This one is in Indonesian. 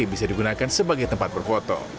bisa digunakan sebagai tempat berfoto